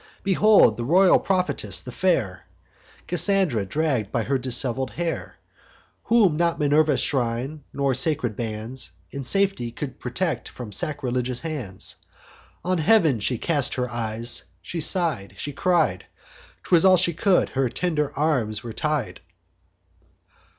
Behold the royal prophetess, the fair Cassandra, dragg'd by her dishevel'd hair, Whom not Minerva's shrine, nor sacred bands, In safety could protect from sacrilegious hands: On heav'n she cast her eyes, she sigh'd, she cried, ('Twas all she could) her tender arms were tied.